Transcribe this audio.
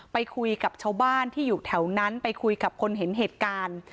ไปคุยกับชาวบ้านที่อยู่แถวนั้นไปคุยกับคนเห็นเหตุการณ์